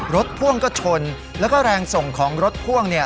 พ่วงก็ชนแล้วก็แรงส่งของรถพ่วงเนี่ย